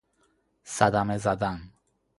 صدمه زدن